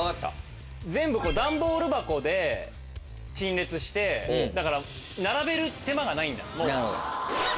全部段ボール箱で陳列してだから並べる手間がないんだ。